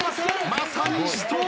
まさに死闘。